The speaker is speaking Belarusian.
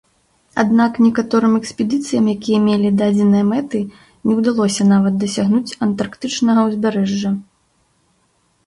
Аднак некаторым экспедыцыям, якія мелі дадзеныя мэты, не ўдалося нават дасягнуць антарктычнага ўзбярэжжа.